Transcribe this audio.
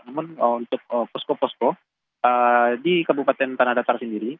namun untuk posko posko di kabupaten tanah datar sendiri